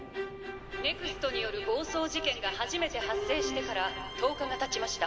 「ＮＥＸＴによる暴走事件が初めて発生してから１０日がたちました。